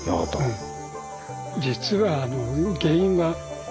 うん。